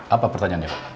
apa pertanyaannya pak